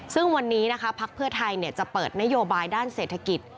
ซึ่งวันนี้นะคะพักเพื่อไทยจะเปิดนโยบายด้านเศรษฐกิจ